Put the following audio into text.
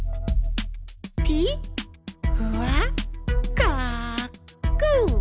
ピッふわっかっくん。